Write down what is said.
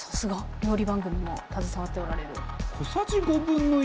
料理番組も携わっておられる。